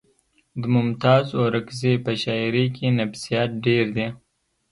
د ممتاز اورکزي په شاعرۍ کې نفسیات ډېر دي